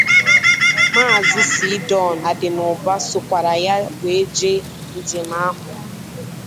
Maazị C-Don Adinuba sokwàrà ya wee gaa njem ahụ.